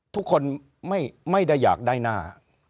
ทุกคนไม่ได้อยากได้หน้า